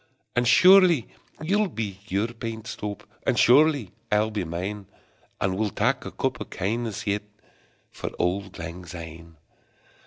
And surely ye'll be your pint stowp, And surely I'll be mine; And we'll tak a cup o' kindness yet For auld lang syne!